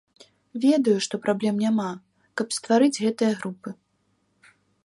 Ведаю, што праблем няма, каб стварыць гэтыя групы.